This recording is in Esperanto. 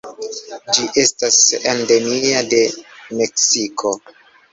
Ĝi estas endemia de Meksiko.